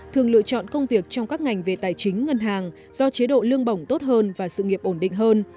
thường lựa chọn công việc trong các ngành về tài chính ngân hàng do chế độ lương bổng tốt hơn và sự nghiệp ổn định hơn